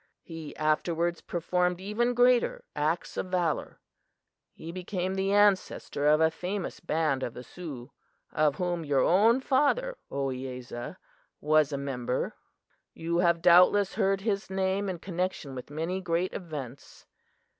He afterwards performed even greater acts of valor. He became the ancestor of a famous band of the Sioux, of whom your own father, Ohiyesa, was a member. You have doubtless heard his name in connection with many great events.